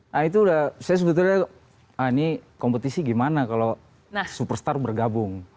nah itu udah saya sebetulnya ini kompetisi gimana kalau superstar bergabung